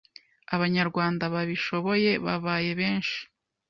Abanyarwanda babishoboye babaye benshi